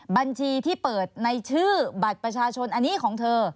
บัญชีที่เปิดในชื่อบัตรประชาชนอันนี้ของเธอ